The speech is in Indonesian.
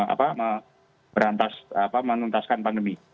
apa berhentas apa menuntaskan pandemi